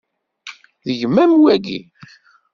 D gma-m wagi?